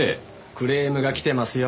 クレームが来てますよ。